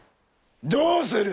どうする？